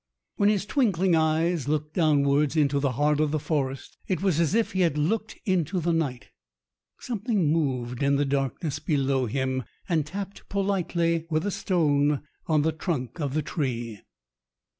When his twinkling eyes looked downwards into the heart of the forests it was as if he had looked into the night. Something moved in the darkness below him and tapped politely with a stone on the trunk of the tree.